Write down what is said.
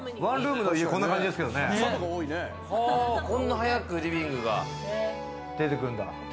こんな早くリビングが出てくるんだ。